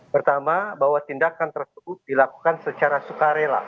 pertama bahwa tindakan tersebut dilakukan secara sukarela